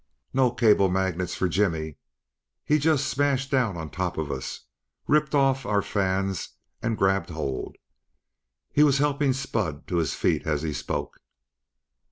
"No cable magnets for Jimmy! He just smashed down on top of us, ripped off our fans and grabbed hold." He was helping Spud to his feet as he spoke.